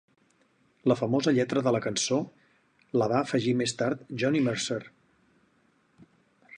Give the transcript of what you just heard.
La famosa lletra de la cançó la va afegir més tard Johnny Mercer.